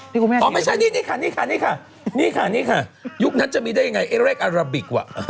นี่คุณแม่อ๋อไม่ใช่นี่ค่ะนี่ค่ะนี่ค่ะนี่ค่ะนี่ค่ะยุคนั้นจะมีได้ยังไงไอ้เลขอาราบิกว่า